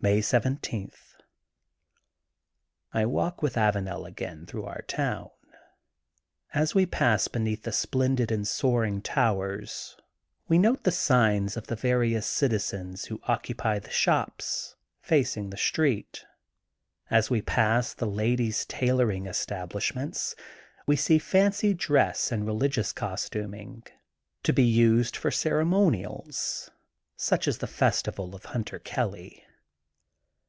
140 THE GOLDEN BOOK OF SPRINGFIELD May 17: — ^I walk with Avanel again through our town. As we pass beneath the splendid and soaring towers, we note the signs of the various citizens who occupy the shops, facing the street. As we pass the ladies' tailoring establishments, we see fancy dress and religious costuming, to be used for cere monials such as the festival of Hujiter Kelly.